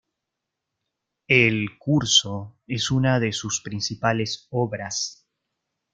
El "Curso" es una de sus principales obras.